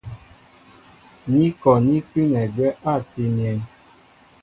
Ni kɔ ní kʉ́nɛ agwɛ́ átii myéŋ.